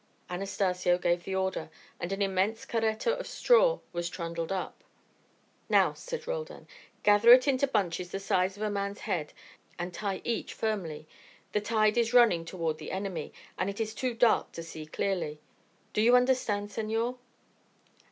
Anastacio gave the order, and an immense carreta of straw was trundled up. "Now," said Roldan, "gather it into bunches the size of a man's head and tie each firmly. The tide is running toward the enemy, and it is too dark to see clearly. Do you understand, senor?"